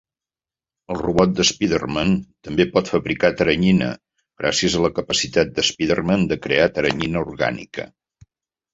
El robot d'Spider-Man també pot fabricar teranyina gràcies a la capacitat d'Spider-Man de crear teranyina orgànica.